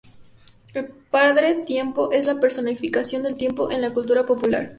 El Padre Tiempo es la personificación del tiempo en la cultura popular.